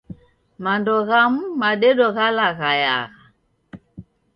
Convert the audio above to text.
Mando ghamu madedo ghalaghayagha.